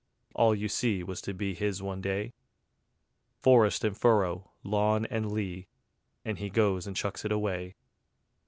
All you see Was to be his one day: Forest and furrow, lawn and lea, And he goes and chucks it away.